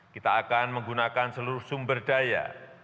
kita akan menggunakan seluruh sumber daya